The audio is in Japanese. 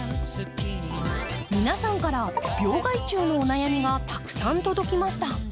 皆さんから病害虫のお悩みがたくさん届きました。